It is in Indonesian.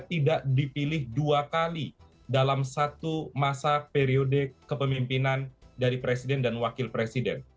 tidak dipilih dua kali dalam satu masa periode kepemimpinan dari presiden dan wakil presiden